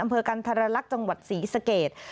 อำเภอกันธรรลักษณ์จังหวัดศรีสเกต